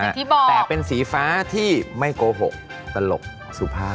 ที่บอกแต่เป็นสีฟ้าที่ไม่โกหกตลกสุภาพ